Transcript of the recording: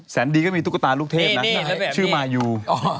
ดีก็มีตุ๊กตาลูกเทพนะชื่อมายู